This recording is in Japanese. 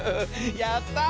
やった！